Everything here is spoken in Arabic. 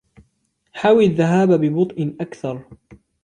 حاول الذهاب ببطء أكثر.